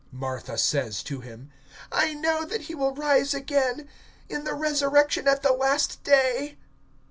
(24)Martha says to him: I know that he will rise again, in the resurrection at the last day.